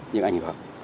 những ảnh hưởng